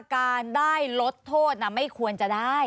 การได้ลดโทษไม่ควรจะได้